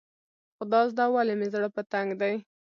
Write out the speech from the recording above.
خدازده ولې مې زړه تنګ دی.